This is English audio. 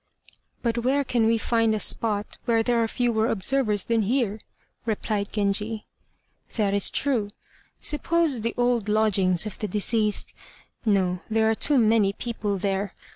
"But where can we find a spot where there are fewer observers than here?" replied Genji. "That is true. Suppose the old lodgings of the deceased. No, there are too many people there.